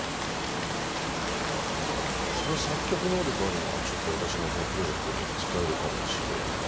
その作曲能力あるのはちょっと私のこのプロジェクトに使えるかもしれんな。